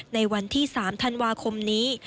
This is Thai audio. ในวันที่๓ธันวาคมนี้